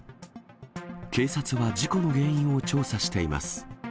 警察は事故の原因を調査しています。